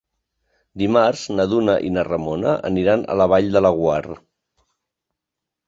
Dimarts na Duna i na Ramona aniran a la Vall de Laguar.